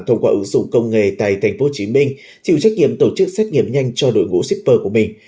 thông qua ứng dụng công nghệ tại tp hcm chịu trách nhiệm tổ chức xét nghiệm nhanh cho đội ngũ shipper của mình